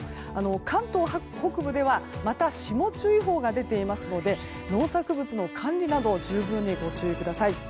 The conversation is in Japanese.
関東北部ではまだ霜注意報が出ていますので農作物の管理など十分にご注意ください。